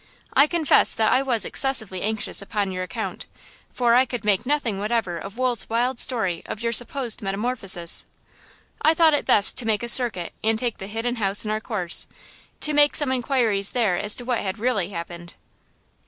I confess that I was excessively anxious upon your account, for I could make nothing whatever of Wool's wild story of your supposed metamorphosis! I thought it best to make a circuit and take the Hidden House in our course, to make some inquiries there as to what had really happened.